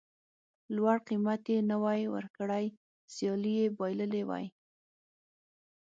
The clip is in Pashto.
لوړ قېمت یې نه وای ورکړی سیالي یې بایللې وای.